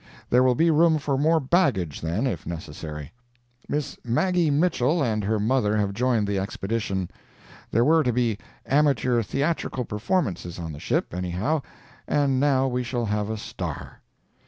There will be room for more baggage, then, if necessary. Miss Maggie Mitchell and her mother have joined the expedition. There were to be amateur theatrical performances on the ship, anyhow, and now we shall have a star.